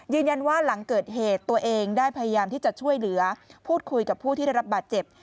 ยืนยันว่าหลังเกิดเหตุตัวเองได้พยายามที่จะช่วยเหลือพูดคุยับบาดเจ็บ